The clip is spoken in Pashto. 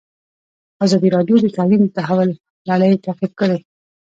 ازادي راډیو د تعلیم د تحول لړۍ تعقیب کړې.